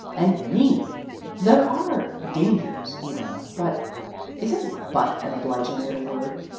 And me ! There are " Dangers," you know, but (Is n't but an obliging little word